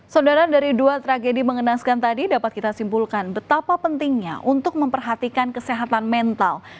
saudara dari dua tragedi mengenaskan tadi dapat kita simpulkan betapa pentingnya untuk memperhatikan kesehatan mental